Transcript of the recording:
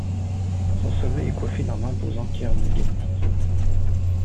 Son sommet est coiffé d'un imposant cairn mégalithique.